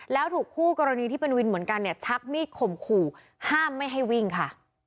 แล้วถูกคู่กรณีที่เป็นวินเหมือนกันเนี่ยชักมีดข่มขู่ห้ามไม่ให้วิ่งค่ะ